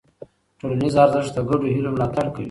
ټولنیز ارزښت د ګډو هيلو ملاتړ کوي.